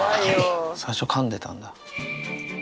最初かんでたんだ。